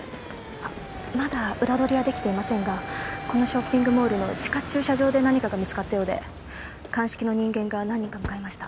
あっまだ裏取りはできていませんがこのショッピングモールの地下駐車場で何かが見つかったようで鑑識の人間が何人か向かいました。